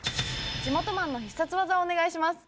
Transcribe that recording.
地元マンの必殺技をお願いします。